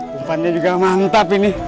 pempannya juga mantap ini